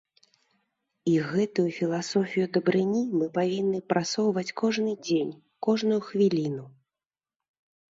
І гэтую філасофію дабрыні мы павінны прасоўваць кожны дзень, кожную хвіліну.